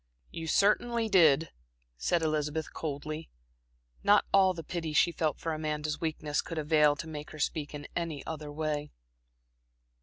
"You certainly did," said Elizabeth, coldly. Not all the pity she felt for Amanda's weakness could avail to make her speak in any other way.